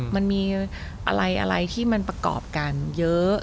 มันมีอะไรที่มันประกอบกันเยอะ